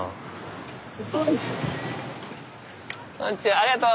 ありがとう！